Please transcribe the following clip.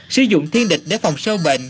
sử dụng thiên địch để phòng sâu bền